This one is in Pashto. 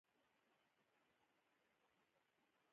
د سبا ورځې د هغه نسل د ستونزو بار کم کړئ.